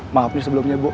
maaf ya sebelumnya bu